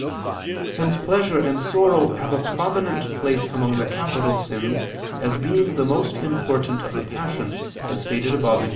Hence pleasure and sorrow have a prominent place among the capital sins, as being the most important of the passions, as stated above (Q.